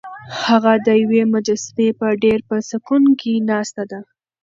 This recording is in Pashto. هغه د یوې مجسمې په څېر په سکون کې ناسته ده.